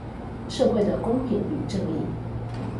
社會的公平與正義